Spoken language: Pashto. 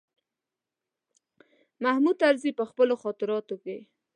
محمود طرزي په خپلو خاطراتو کې.